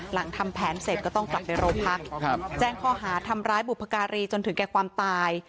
หลังทำแผนเสร็จก็ต้องกลับไปโรงพักแจ้งข้อหาทำร้ายบุพการีจนถึงแก่ความตาย